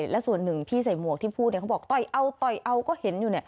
และส่วนหนึ่งพี่ใส่หมวกที่พูดเขาบอกต่อยเอาต่อยเอาก็เห็นอยู่